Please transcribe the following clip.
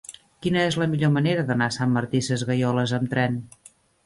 Quina és la millor manera d'anar a Sant Martí Sesgueioles amb tren?